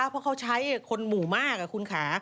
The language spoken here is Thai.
เพราะเขาใช้คนหมู่มากคุณค่ะ